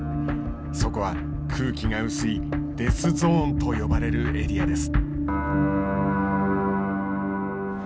そこは空気が薄いデスゾーンと呼ばれるエリアです。